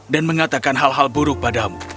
dan mengatakan hal hal buruk padamu